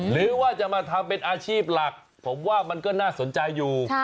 หรือว่าจะมาทำเป็นอาชีพหลักผมว่ามันก็น่าสนใจอยู่